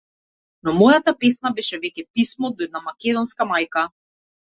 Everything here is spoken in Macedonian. Но мојата песна беше веќе писмо до една македонска мајка.